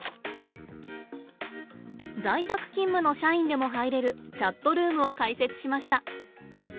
在宅勤務の社員でも入れるチャットルームを開設しました。